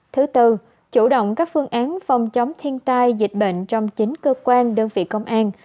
thứ tư chủ động các phương án phòng chống thiên tai dịch bệnh trong chính cơ quan đơn vị công an